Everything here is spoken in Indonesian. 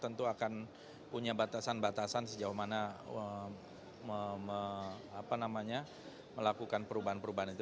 tentu akan punya batasan batasan sejauh mana melakukan perubahan perubahan itu